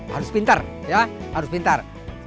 harus pintar ya harus pintar